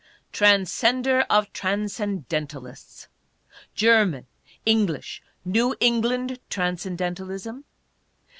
* Transcender of Transcendentalists ! German, English, New England Transcendentalism